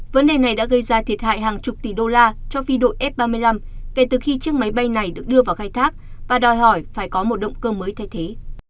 vấn đề này đã gây ra thiệt hại hàng chục tỷ đô la cho phi đội f ba mươi năm kể từ khi chiếc máy bay này được đưa vào khai thác và đòi hỏi phải có một động cơ mới thay thế